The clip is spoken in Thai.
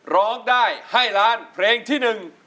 ร้องได้ให้ล้านเพลงที่หนึ่ง